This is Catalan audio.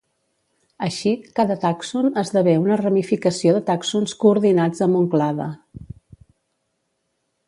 Així, cada tàxon esdevé una ramificació de tàxons coordinats amb un clade.